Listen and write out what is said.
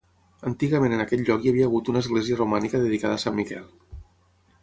Antigament en aquest lloc hi havia hagut una església romànica dedicada a Sant Miquel.